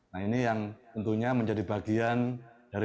nah ini yang tentunya menjadi bagian dari